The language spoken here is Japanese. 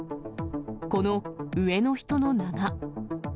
この上の人の名が。